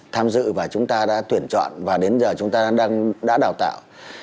tham dự và chúng ta đã tuyển chọn và đến giờ chúng ta đã đào tạo